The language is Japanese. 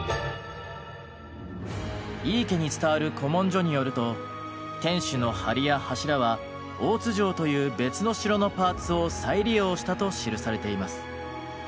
井伊家に伝わる古文書によると天守の梁や柱は大津城という別の城のパーツを再利用したと記されています。